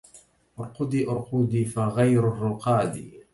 أرقدي أرقدي فغير الرقاد